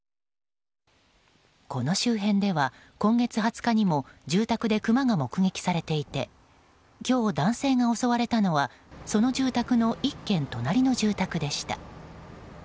この周辺では、今月２０日にも住宅でクマが目撃されていて今日、男性が襲われたのはその住宅の１軒隣の住宅でした。